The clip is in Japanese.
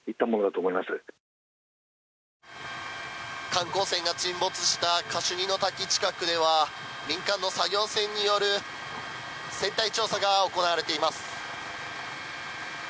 観光船が沈没したカシュニの滝近くでは民間の作業船による船体調査が行われています。